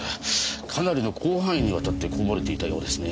かなりの広範囲にわたってこぼれていたようですね。